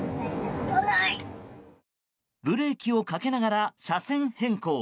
ブレーキをかけながら車線変更。